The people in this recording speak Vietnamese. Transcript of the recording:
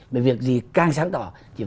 vì việc gì càng sáng tỏ